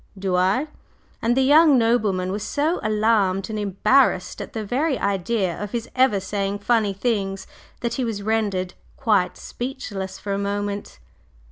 "Do I?" and the young nobleman was so alarmed and embarrassed at the very idea of his ever saying funny things that he was rendered quite speechless for a moment.